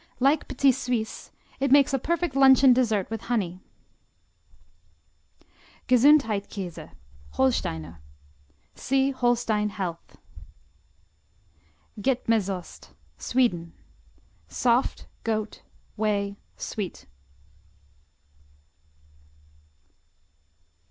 Like Petit Suisse, it makes a perfect luncheon dessert with honey. Gesundheitkäse, Holsteiner see Holstein Health. Getmesost Sweden Soft; goat; whey; sweet.